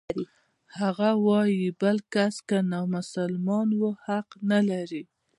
هغه وايي بل کس که نامسلمان و حق نلري.